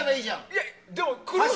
いや、でも。